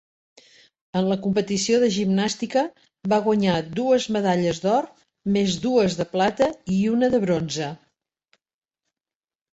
En la competició de gimnàstica, va guanyar dues medalles d'or més, dues de plata i una de bronze.